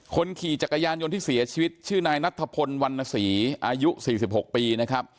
คนขี่จักรยานยนต์ที่เสียชีวิตชื่อนายนัทธพลวันนศรีอายุ๔๖ปีนะครับ